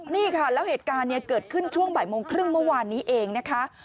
นี่ค่ะแล้วเหตุการณ์เกิดขึ้นช่วงบ่ายโมงครึ่งเมื่อวานนี้เองนะคะ